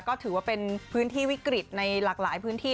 ก็ถือว่าเป็นพื้นที่วิกฤตในหลากหลายพื้นที่